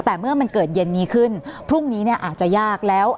แต่เมื่อมันเกิดเย็นนี้ขึ้นพรุ่งนี้เนี่ยอาจจะยากแล้ว